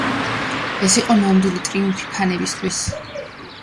ეს იყო ნამდვილი ტრიუმფი ფანებისთვის.